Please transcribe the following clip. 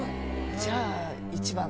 じゃあ、１番。